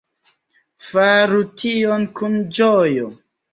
Faru tion kun ĝojo.